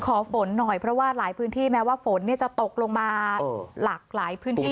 ฝนหน่อยเพราะว่าหลายพื้นที่แม้ว่าฝนจะตกลงมาหลากหลายพื้นที่